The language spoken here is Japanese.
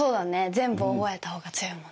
全部覚えた方が強いもんね。